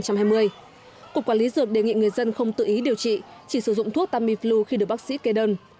cục quản lý dược đề nghị người dân không tự ý điều trị chỉ sử dụng thuốc tamiflu khi được bác sĩ kê đơn